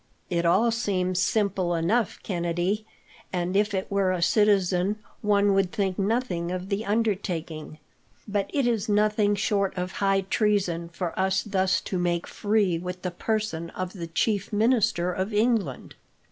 "It all seems simple enough, Kennedy, and, if it were a citizen, one would think nothing of the undertaking. But it is nothing short of high treason for us thus to make free with the person of the chief minister of England."